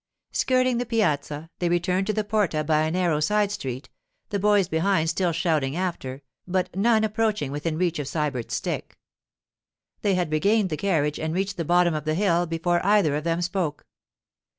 Skirting the piazza, they returned to the porta by a narrow side street, the boys behind still shouting after, but none approaching within reach of Sybert's stick. They had regained the carriage and reached the bottom of the hill before either of them spoke.